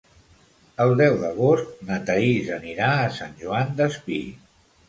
El deu d'agost na Thaís anirà a Sant Joan Despí.